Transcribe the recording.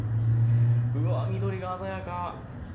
うわあ緑が鮮やか。